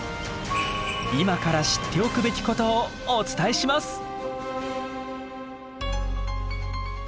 今から知っておくべきことをお伝えします。